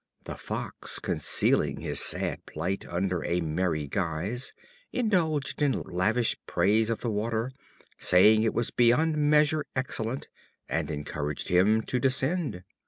The Fox, concealing his sad plight under a merry guise, indulged in lavish praise of the water, saying it was beyond measure excellent, and encouraged him to descend.